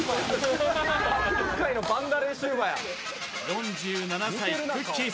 ４７歳、くっきー！